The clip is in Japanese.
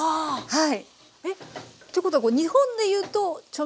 はい。